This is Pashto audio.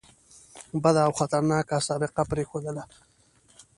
بده او خطرناکه سابقه پرېښودله.